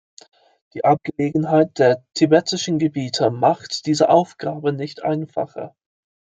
Die Abgelegenheit der tibetischen Gebiete macht diese Aufgabe nicht einfacher.